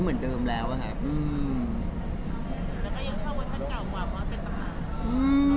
แล้วก็ยังชอบเวอร์ชั่นเก่ากว่าเพราะว่าเป็นต่าง